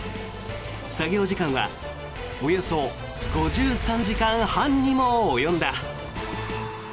作業時間はおよそ５３時間半にも及んだ。